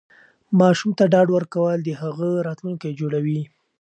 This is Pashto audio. ماشوم ته ډاډ ورکول د هغه راتلونکی جوړوي.